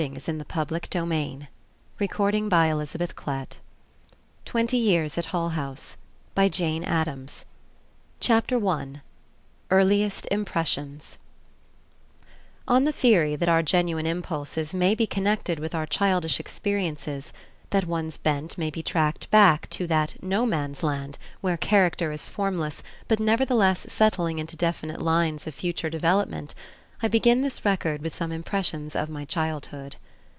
New York: The MacMillan Company, 1912 (c.1910) pp. 1 22. [Editor: Mary Mark Ockerbloom] TWENTY YEARS AT HULL HOUSE CHAPTER I EARLIEST IMPRESSIONS On the theory that our genuine impulses may be connected with our childish experiences, that one's bent may be tracked back to that "No Man's Land" where character is formless but nevertheless settling into definite lines of future development, I begin this record with some impressions of my childhood.